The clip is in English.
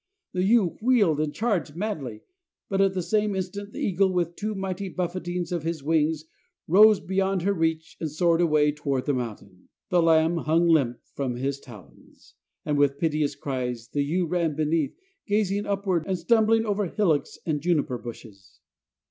The ewe wheeled and charged madly; but at the same instant the eagle, with two mighty buffetings of his wings, rose beyond her reach and soared away toward the mountain. The lamb hung limp from his talons; and with piteous cries the ewe ran beneath, gazing upward, and stumbling over the hillocks and juniper bushes.